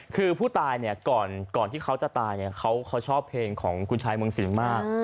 คือผู้ตายเนี่ยก่อนที่เขาจะตายเขาชอบเพลงของคุณชายเมืองสินมาก